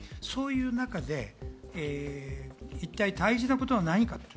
そういう中で一体大事なことは何か。